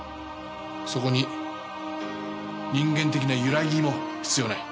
そこに人間的な揺らぎも必要ない。